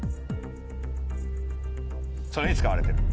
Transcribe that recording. それに使われてる？